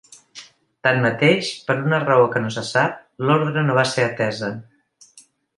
Tanmateix, per una raó que no se sap, l’ordre no va ser atesa.